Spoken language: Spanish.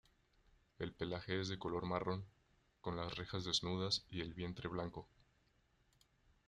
El pelaje es de color marrón, con las rejas desnudas y el vientre blanco.